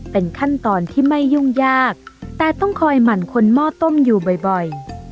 เป็นขั้นตอนที่ไม่ยุ่งยากแต่ต้องคอยหมั่นคนหม้อต้มอยู่บ่อย